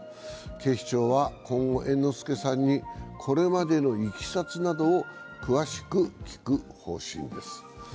警視庁は今後、猿之助さんにこれまでのいきさつなどを詳しく聞く方針です。